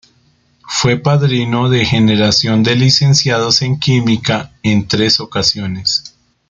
Fue padrino de generación de Licenciados en Química en tres ocasiones.